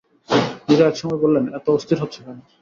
মীরা একসময় বললেন, এত অস্থির হচ্ছ কেন?